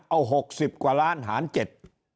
เอา๖๐กว่าล้านหาร๗คน